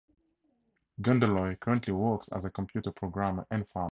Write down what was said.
Gunderloy currently works as a computer programmer and farmer.